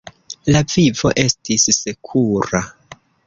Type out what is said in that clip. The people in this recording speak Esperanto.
La vivo estis sekura.